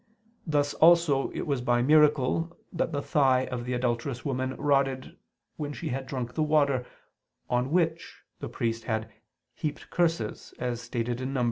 Thus also it was by miracle that the thigh of the adulterous woman rotted, when she had drunk the water "on which" the priest had "heaped curses," as stated in Num.